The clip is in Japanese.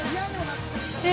え